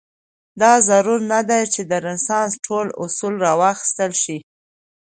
دا ضرور نه ده چې د رنسانس ټول اصول راواخیستل شي.